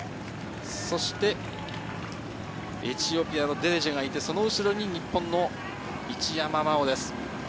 そしてエチオピアのデレッジェがいて、その後ろに日本の一山麻緒です。